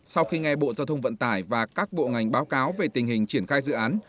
sau khi nghe bộ giao thông vận tải và các bộ ngành báo cáo về tình hình triển khai dự án